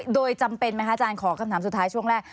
โดยจำเป็นไหมคะอาจารย์ขอคำถามสุดท้ายช่วงแรก